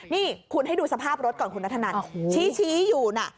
นี่คุณให้ดูสภาพรถก่อนคุณนัทธนันชี้อยู่น่ะ